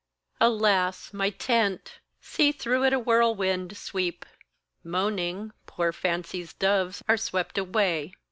ALAS, my tent! see through it a whirlwind sweep! Moaning, poor Fancy's doves are swept away.